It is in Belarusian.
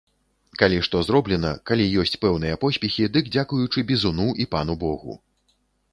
Калі што зроблена, калі ёсць пэўныя поспехі, дык дзякуючы бізуну і пану богу.